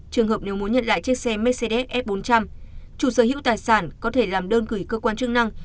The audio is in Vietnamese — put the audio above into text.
trường hợp nếu muốn nhận lại chiếc xe mercedes f bốn trăm linh chủ sở hữu tài sản có thể làm đơn gửi cơ quan chức năng